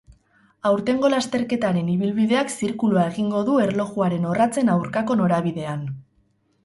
Aurtengo lasterketaren ibilbideak zirkulua egingo du erlojuaren orratzen aurkako norabidean.